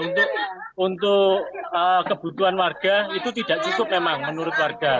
untuk kebutuhan warga itu tidak cukup memang menurut warga